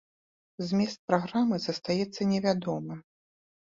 Змест праграмы застаецца невядомым.